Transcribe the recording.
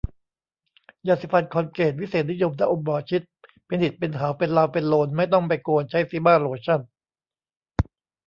ยาสีฟันคอลเกต วิเศษนิยม ยาอมหมอชิต เป็นหิดเป็น เหา เป็นเลาเป็นโลน ไม่ต้องไปโกน ใช้ซีม่าโลชั่น